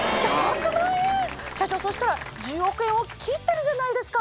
社長そうしたら１０億円を切ってるじゃないですか！